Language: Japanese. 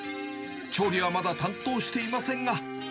調理はまだ担当していませんが。